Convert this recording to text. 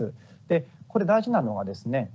でこれ大事なのはですね